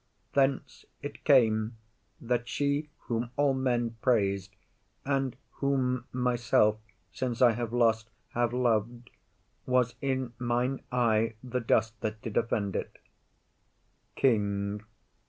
Thence it came That she whom all men prais'd, and whom myself, Since I have lost, have lov'd, was in mine eye The dust that did offend it. KING.